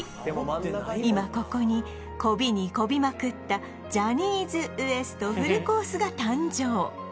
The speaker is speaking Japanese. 今ここにこびにこびまくったジャニーズＷＥＳＴフルコースが誕生！